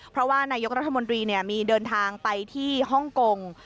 เพราะว่านายกรัฐมนตรีมีเดินทางไปที่ฮ่องกง